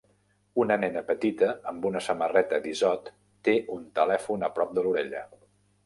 Una nena petita amb una samarreta d'Izod té un telèfon a prop de l'orella.